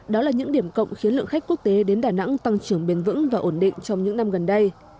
đó là những điểm cộng khiến lượng khách quốc tế đến đà nẵng tăng trưởng bền vững và ổn định trong những năm gần đây